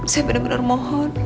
saya benar benar mohon